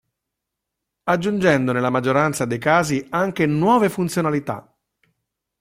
Aggiungendo nella maggioranza dei casi anche nuove funzionalità.